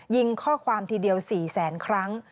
ยิงข้อความทีเดียว๔๐๐๐๐๐ครั้ง